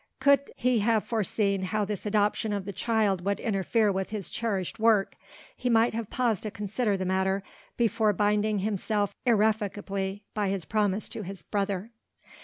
Could he have foreseen how this adoption of the child would interfere with his cherished work, he might have paused to consider the matter, before binding himself irrevocably by his promise to his brother.